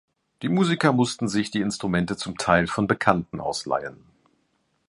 Die Musiker mussten sich die Instrumente zum Teil von Bekannten ausleihen.